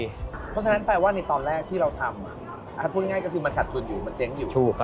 เพราะฉะนั้นแปลว่าในตอนแรกที่เราทำพูดง่ายก็คือมันขัดทุนอยู่มันเจ๊งอยู่